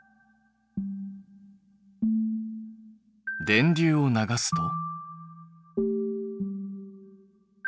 電流を流すと？